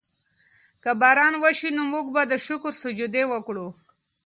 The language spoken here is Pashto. که باران وشي نو موږ به د شکر سجدې وکړو.